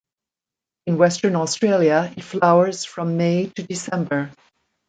In Western Australia it flowers from May to December.